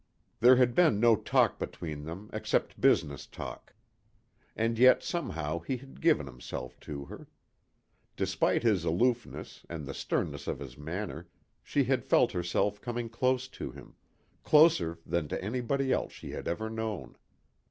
There had been no talk between them except business talk. And yet, somehow he had given himself to her. Despite his aloofness and the sternness of his manner, she had felt herself coming close to him, closer than to anybody else she had ever known.